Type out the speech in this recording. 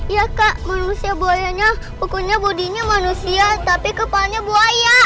ya kak manusia buayanya pokoknya budinya manusia tapi kepalanya buaya